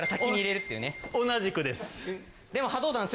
同じくです。